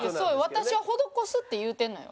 私は施すって言うてんのよ。